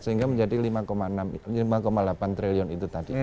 sehingga menjadi lima delapan triliun itu tadi